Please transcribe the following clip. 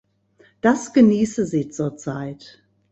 Das genieße sie zur Zeit.